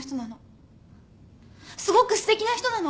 すごくすてきな人なの。